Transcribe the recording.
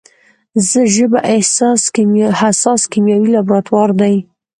ژبه حساس کیمیاوي لابراتوار دی.